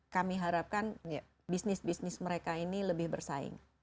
kami harapkan bisnis bisnis mereka ini lebih bersaing